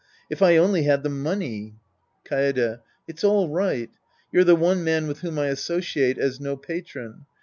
If I only had the money ! Kaede. It's all right. You're the one man with whom I associate as no patron.